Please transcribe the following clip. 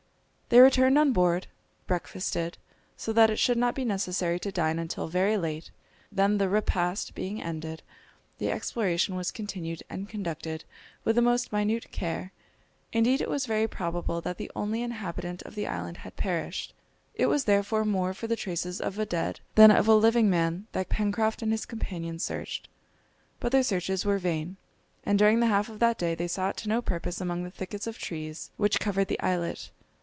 They returned on board, breakfasted, so that it should not be necessary to dine until very late; then the repast being ended, the exploration was continued and conducted with the most minute care. Indeed, it was very probable that the only inhabitant of the island had perished. It was therefore more for the traces of a dead than of a living man that Pencroft and his companions searched. But their searches were vain, and during the half of that day they sought to no purpose among the thickets of trees which covered the islet.